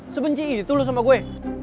sebenci itu lu sama gue